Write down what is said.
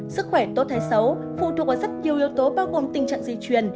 sức khỏe tốt hay xấu phụ thuộc vào rất nhiều yếu tố bao gồm tình trạng di truyền